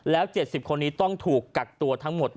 แล้ว๗๐คนนี้ต้องถูกกักตัวทั้งหมด